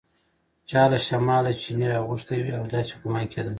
چا له شماله چپنې راغوښتي وې او داسې ګومان کېده.